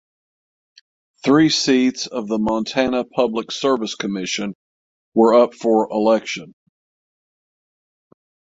Three seats of the Montana Public Service Commission were up for election.